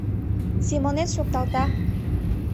- Семонет шокталта.